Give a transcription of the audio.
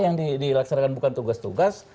yang dilaksanakan bukan tugas tugas